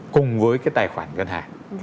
cùng với cái tài khoản ngân hàng